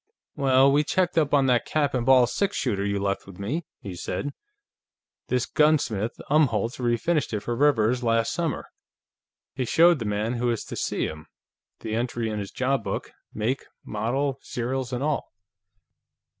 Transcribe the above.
"Well, we checked up on that cap and ball six shooter you left with me," he said. "This gunsmith, Umholtz, refinished it for Rivers last summer. He showed the man who was to see him the entry in his job book: make, model, serials and all."